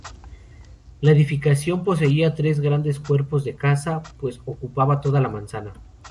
La edificación poseía tres grandes cuerpos de casa, pues ocupaba toda la manzana.